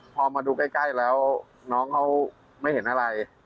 พอมาดูใกล้แล้วน้องเขาไม่เห็นอะไร